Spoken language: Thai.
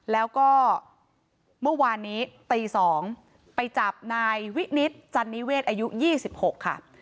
แล้วก็เมื่อวานนี้ตี๒ไปจับนายวินิตจันนิเวศอายุ๒๖ค่ะ